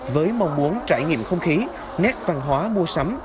với mong muốn trải nghiệm không khí nét văn hóa mua sắm